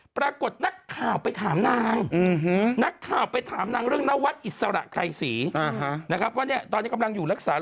ปรากฏนักข่าวไปถามนาง